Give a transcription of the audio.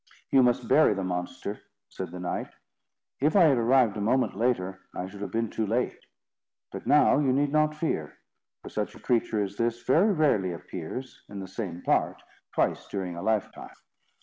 "You must bury the monster," said the knight. "If I had arrived a moment later, I should have been too late. But now you need not fear, for such a creature as this very rarely appears, in the same part, twice during a lifetime."